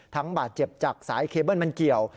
บาดเจ็บจากสายเคเบิ้ลมันเกี่ยว